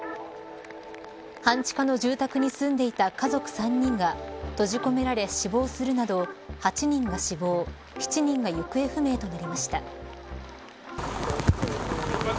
半地下の住宅に住んでいた家族３人が閉じ込められ死亡するなど８人が死亡７人が行方不明となりました。